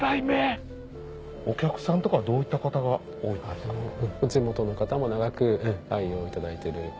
お客さんとかどういった方が多いんですか？